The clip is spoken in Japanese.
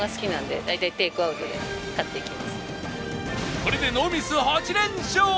これでノーミス８連勝